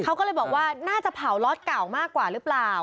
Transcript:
เขาก็เลยบอกว่าน่าจะเผาล็อตเก่ามากกว่าหรือเปล่า